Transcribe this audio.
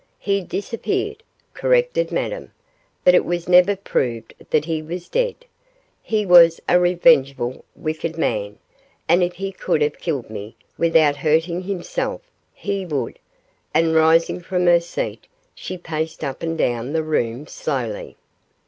'He disappeared,' corrected Madame, 'but it was never proved that he was dead. He was a revengeful, wicked man, and if he could have killed me, without hurting himself, he would,' and rising from her seat she paced up and down the room slowly.